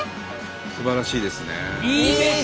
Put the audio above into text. すばらしいですね。